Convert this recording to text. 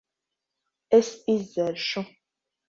Es izdzeršu.